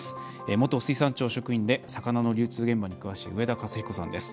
元水産庁職員で魚の流通現場に詳しい上田勝彦さんです。